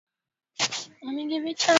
matembele unaweza ukayachemsha kwa mvuke